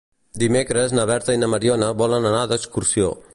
Dimecres na Berta i na Mariona volen anar d'excursió.